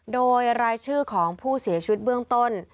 โดยรายชื่อของผู้เสียชีวิตเบื้องต้น